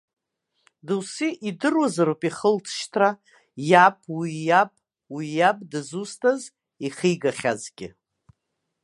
Дасу идыруазароуп ихылҵшьҭра, иаб, уи иаб, уи иаб дызусҭаз, ихигахьазгьы.